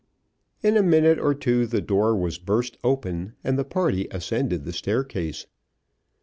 In a minute or two the door was burst open, and the party ascended the staircase.